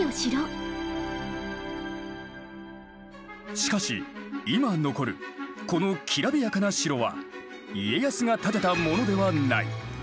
しかし今残るこのきらびやかな城は家康が建てたものではない。